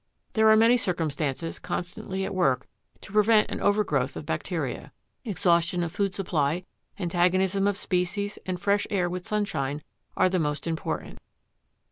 There are many circumstances constantly at work to prevent an overgrowth of bacteria; exhaustion of food supply, antagonism of species and fresh air with sunshine, are the most important.